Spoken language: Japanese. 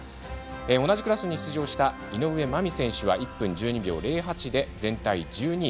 同じクラスの井上舞美選手は１分１２秒０８で全体１２位。